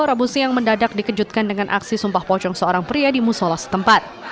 rabu siang mendadak dikejutkan dengan aksi sumpah pocong seorang pria di musola setempat